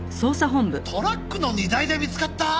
トラックの荷台で見つかった！？